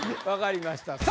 分かりました。